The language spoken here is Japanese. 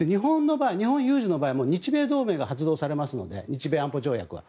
日本の有事の場合は日米同盟が発動されますので日米安保条約が。